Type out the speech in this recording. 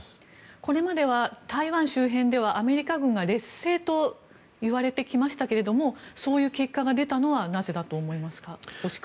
これまでは台湾周辺ではアメリカ軍が劣勢といわれてきましたけれどもそういう結果が出たのはなぜだと思いますか？